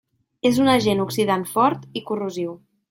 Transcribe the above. És un agent oxidant fort i corrosiu.